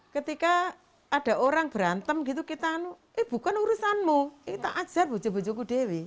ketika ada orang berantem gitu kita eh bukan urusanmu kita ajar bu